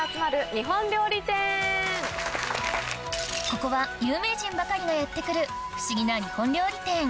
ここは有名人ばかりがやって来る不思議な日本料理店